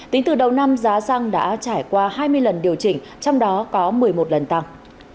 tính từ đầu năm giá xăng đã trải qua hai mươi lần điều chỉnh trong đó có một mươi một lần tăng